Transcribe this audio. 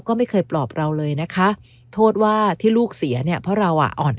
ก็ไม่เคยปลอบเราเลยนะคะโทษว่าที่ลูกเสียเนี่ยเพราะเราอ่ะอ่อน